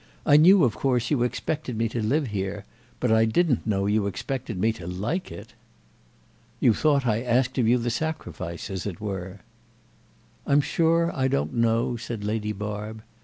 I knew of course you expected me to live here, but I didn't know you expected me to like it." "You thought I asked of you the sacrifice, as it were." "I'm sure I don't know," said Lady Barb.